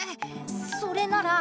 それなら。